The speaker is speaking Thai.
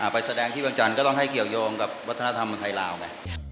ไปแสดงที่วันจันทร์ก็ต้องให้เกี่ยวยงกับวัฒนธรรมไทยลาวไง